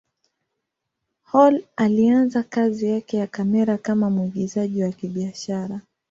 Hall alianza kazi yake ya kamera kama mwigizaji wa kibiashara.